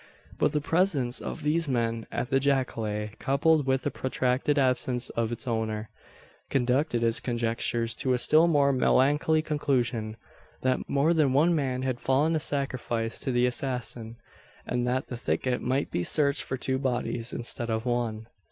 But the presence of these men at the jacale, coupled with the protracted absence of its owner, conducted his conjectures to a still more melancholy conclusion: that more than one man had fallen a sacrifice to the assassin, and that the thicket might be searched for two bodies, instead of one!